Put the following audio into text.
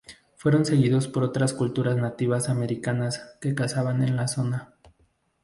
Fueron seguidos por otras culturas nativas americanas que cazaban en la zona.